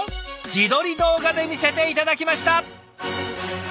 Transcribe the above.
自撮り動画で見せて頂きました。